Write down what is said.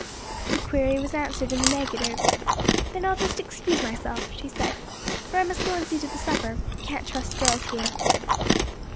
The query was answered in the negative. "Then I'll just excuse myself," she said; "for I must go and see to the supper; can't trust girls here."